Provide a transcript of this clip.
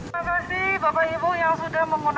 terima kasih bapak ibu yang sudah menggunakan masker